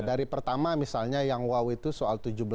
dari pertama misalnya yang wow itu soal